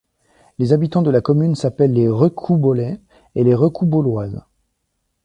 Les habitants de la commune s'appellent les Recoubeaulois et Recoubeauloises.